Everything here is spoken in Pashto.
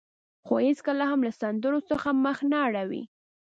خو هېڅکله هم له سندرو څخه مخ نه اړوي.